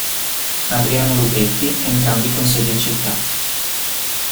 Adriano Lupetti, entrambi con sede in città.